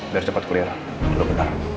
biar cepat kuliah